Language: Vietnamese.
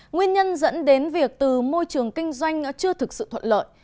nguyên nhân dẫn đến việc từ môi trường kinh doanh chưa thực sự thuận lợi